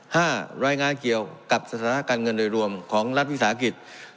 ห้ารายงานเกี่ยวกับสถานะการเงินโดยรวมของรัฐวิทยาลัยศาสตร์อาคิด